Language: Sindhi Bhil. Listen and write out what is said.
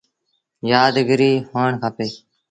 يآد گريٚ هوڻ کپي۔